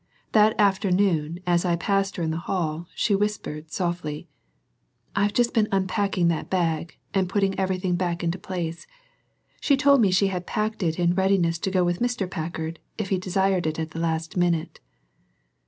That afternoon as I passed her in the hall she whispered softly: "I have just been unpacking that bag and putting everything back into place. She told me she had packed it in readiness to go with Mr. Packard if he desired it at the last minute."